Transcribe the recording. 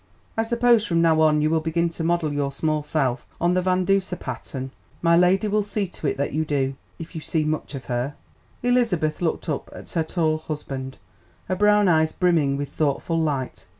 I suppose from now on you will begin to model your small self on the Van Duser pattern. My lady will see to it that you do, if you see much of her." Elizabeth looked up at her tall husband, her brown eyes brimming with thoughtful light.